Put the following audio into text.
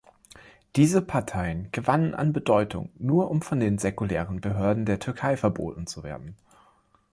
Diese Parteien gewannen an Bedeutung, nur um von den säkularen Behörden der Türkei verboten zu werden.